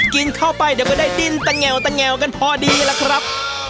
กินเข้าไปเดี๋ยวก็ได้ดินตะแงวตะแงวกันพอดีล่ะครับ